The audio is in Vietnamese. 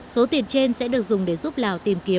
số tiền trên sẽ được dùng để giúp lào tạo ra một nguồn nguyên liệu